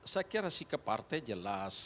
saya kira sikap partai jelas